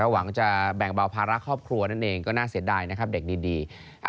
หวังจะแบ่งเบาภาระครอบครัวนั่นเองก็น่าเสียดายนะครับเด็กดี